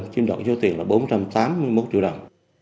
chiếm đoạt số tiền là bốn trăm tám mươi một triệu đồng